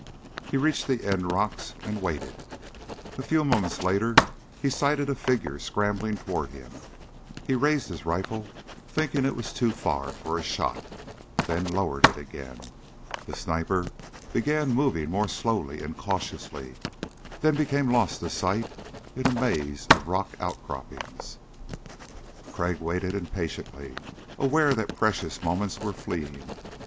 He reached the end rocks and waited. A few moments later he sighted a figure scrambling toward him. He raised his rifle thinking it was too far for a shot, then lowered it again. The sniper began moving more slowly and cautiously, then became lost to sight in a maze of rock outcroppings. Crag waited impatiently, aware that precious moments were fleeing.